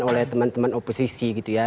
oleh teman teman oposisi gitu ya